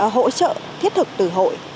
hỗ trợ thiết thực từ hội